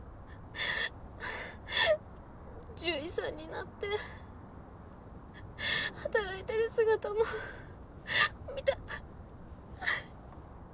獣医さんになって働いてる姿も見たかった。